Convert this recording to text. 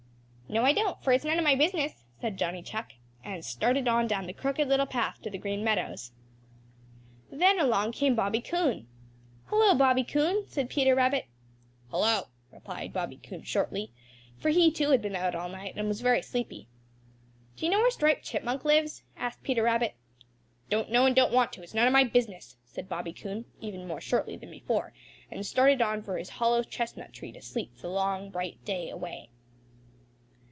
"No, I don't, for it's none of my business," said Johnny Chuck, and started on down the Crooked Little Path to the Green Meadows. Then along came Bobby Coon. "Hello, Bobby Coon!" said Peter Rabbit. "Hello!" replied Bobby Coon shortly, for he too had been out all night and was very sleepy. "Do you know where Striped Chipmunk lives?" asked Peter Rabbit. "Don't know and don't want to; it's none of my business," said Bobby Coon even more shortly than before, and started on for his hollow chestnut tree to sleep the long, bright day away.